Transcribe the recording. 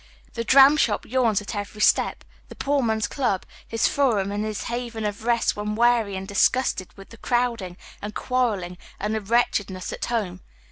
The dramshop yawns at every step, the poor man's club, his forum and his haven of rest when weary and disgusted with the crowding, the quarrelling, and the wretchedness at home.